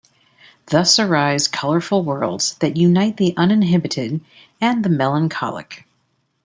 Thus arise colorful worlds that unite the uninhibited and the melancholic.